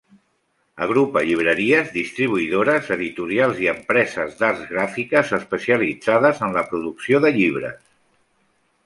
Agrupa llibreries, distribuïdores, editorials i empreses d'arts gràfiques especialitzades en la producció de llibres.